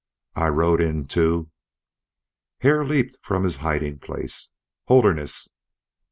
"I rode in to " Hare leaped from his hiding place. "Holderness!"